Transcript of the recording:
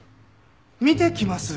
見てきます！